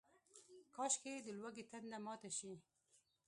کاشکي، د لوږې تنده ماته شي